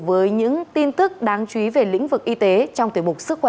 với những tin tức đáng chú ý về lĩnh vực y tế trong tuyên bục sức khỏe ba trăm sáu mươi năm